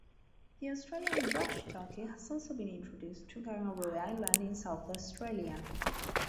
The Australian brushturkey has also been introduced to Kangaroo Island in South Australia.